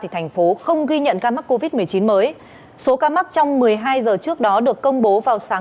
thành phố không ghi nhận ca mắc covid một mươi chín mới số ca mắc trong một mươi hai giờ trước đó được công bố vào sáng